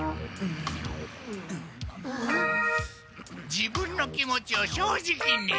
自分の気持ちを正直に！